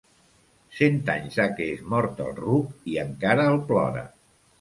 Cent anys ha que és mort el ruc i encara el plora.